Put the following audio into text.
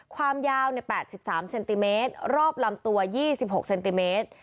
ความยาว๘๓เซนติเมตรรอบลำตัว๒๖เซนติเมตร